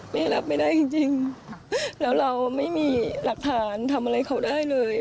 แม่รับไม่ได้จริงแล้วเราไม่มีหลักฐานทำอะไรเขาได้เลย